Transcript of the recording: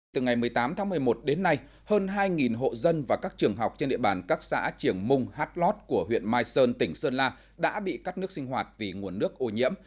từ ngày một mươi tám tháng một mươi một đến nay hơn hai hộ dân và các trường học trên địa bàn các xã triển mung hát lót của huyện mai sơn tỉnh sơn la đã bị cắt nước sinh hoạt vì nguồn nước ô nhiễm